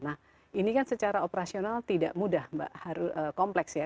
nah ini kan secara operasional tidak mudah mbak kompleks ya